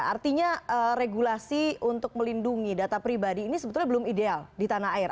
artinya regulasi untuk melindungi data pribadi ini sebetulnya belum ideal di tanah air